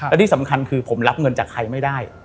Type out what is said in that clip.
และที่สำคัญคือผมรับเงินจากใครไม่ได้